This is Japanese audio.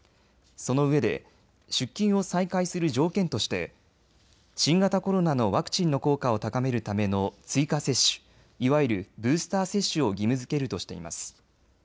そのうえで出勤を再開する条件として新型コロナのワクチンの効果を高めるための追加接種、いわゆるブースター接種を義務づけるとしています。